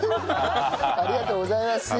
ありがとうございます。